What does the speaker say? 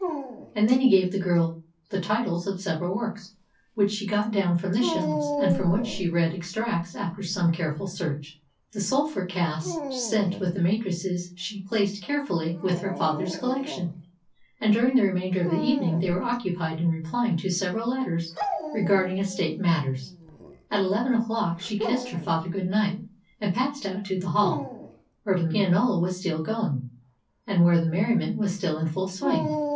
And then he gave the girl the titles of several works, which she got down from the shelves, and from which she read extracts after some careful search. The sulphur casts sent with the matrices she placed carefully with her father's collection, and during the remainder of the evening they were occupied in replying to several letters regarding estate matters. At eleven o'clock she kissed her father good night and passed out to the hall, where the pianola was still going, and where the merriment was still in full swing.